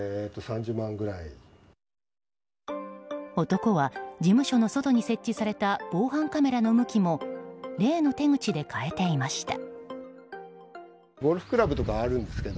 男は事務所の外に設置された防犯カメラの向きも例の手口で変えていました。